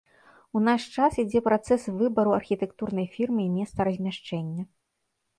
У наш час ідзе працэс выбару архітэктурнай фірмы і месца размяшчэння.